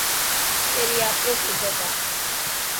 پيري آپرو سوچي تا.